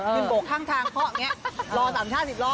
ยืนโบกทางเขาอย่างนี้รอ๓ชาติ๑๐ล้อ